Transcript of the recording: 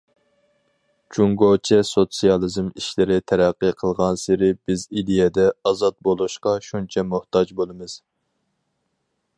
جۇڭگوچە سوتسىيالىزم ئىشلىرى تەرەققىي قىلغانسېرى بىز ئىدىيەدە ئازاد بولۇشقا شۇنچە موھتاج بولىمىز.